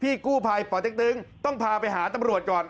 กู้ภัยป่อเต็กตึงต้องพาไปหาตำรวจก่อน